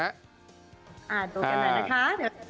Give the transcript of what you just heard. ดูกันหน่อยนะคะ